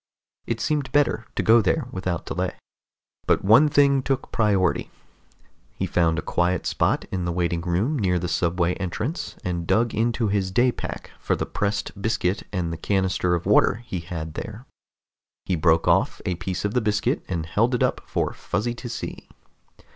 It seemed better to go there without delay. But one thing took priority. He found a quiet spot in the waiting room near the subway entrance and dug into his day pack for the pressed biscuit and the canister of water he had there. He broke off a piece of the biscuit and held it up for Fuzzy to see.